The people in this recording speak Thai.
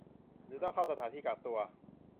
หรือต้องเข้าสถานที่กักตัว